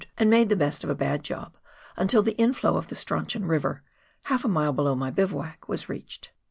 283 and made the best of a bad job, until tbe inflow of the Strauchon River — half a mile below my bivouac — was reached.